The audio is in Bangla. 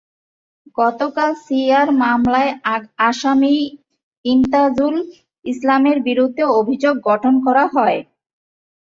গতকাল সিআর মামলায় আসামি ইমতাজুল ইসলামের বিরুদ্ধে অভিযোগ গঠন করা হয়।